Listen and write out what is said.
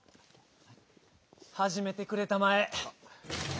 はじめてくれたまえ。